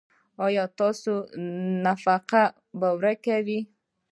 ایا ستاسو نفاق به ورک وي؟